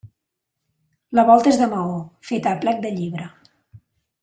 La volta és de maó, feta a plec de llibre.